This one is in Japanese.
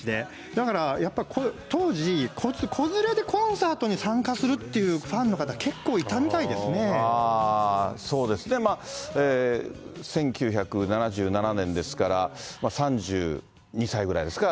だからやっぱり、当時、子連れでコンサートに参加するっていうファンの方、そうですね、１９７７年ですから、３２歳ぐらいですか？